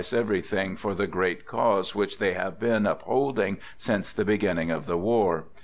u6 "THE GOOD SOLDIER everything for the great cause which they have been upholding since the beginning of the war.